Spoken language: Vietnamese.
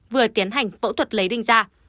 vừa tiến hành phẫu thuật lấy đinh ra